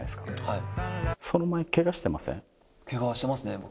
はい。